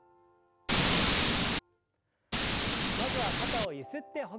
まずは肩をゆすってほぐしましょう。